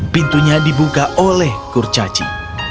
pintunya dibuka oleh kurcaci